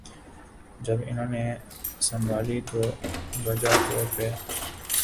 جب انہوں نے سنبھالی تو بجا طور پہ